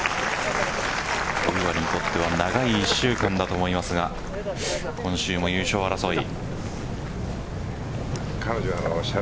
小祝にとっては長い１週間だと思いますが今週も優勝争い。